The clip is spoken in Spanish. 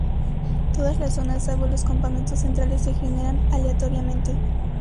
Todas las zonas salvo los campamentos centrales se generan aleatoriamente.